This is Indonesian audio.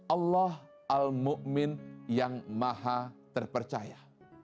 allah al mu'min yang maha terpercaya